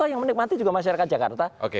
yang menikmati juga masyarakat jakarta